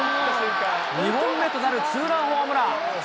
２本目となるツーランホームラン。